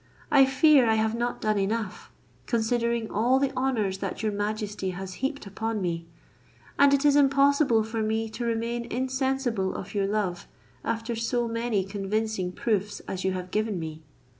I fear I have not done enough, considering all the honours that your majesty has heaped upon me; and it is impossible for me to remain insensible of your love, after so many convincing proofs as you have given me."